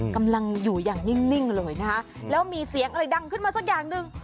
กำลังอยู่อย่างนิ่งเลยนะคะแล้วมีเสียงอะไรดังขึ้นมาสักอย่างหนึ่ง